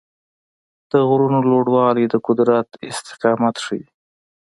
د غرونو لوړوالی د قدرت استقامت ښيي.